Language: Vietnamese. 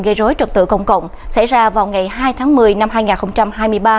gây rối trật tự công cộng xảy ra vào ngày hai tháng một mươi năm hai nghìn hai mươi ba